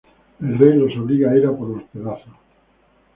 El Rey los obliga a ir por los pedazos.